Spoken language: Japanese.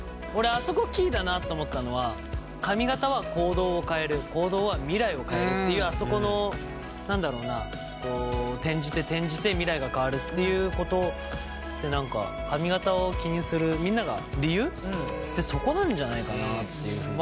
俺あそこキーだなと思ったのは「髪形は行動を変える行動は未来を変える」っていうあそこの何だろうな転じて転じて未来が変わるっていうことって何か髪形を気にするみんなが理由？ってそこなんじゃないかなっていう。